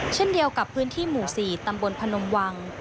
เช่นเดียวกับพื้นที่หมู่๔ตำบลพนมวัง